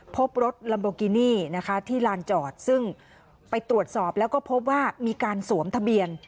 พบรถลัมโบกินี่นะคะที่ลานจอดซึ่งไปตรวจสอบแล้วก็พบว่ามีการสวมทะเบียน